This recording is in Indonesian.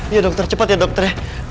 iya dokter cepat ya dokter ya